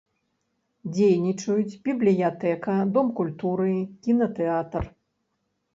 Дзейнічаюць бібліятэка, дом культуры, кінатэатр.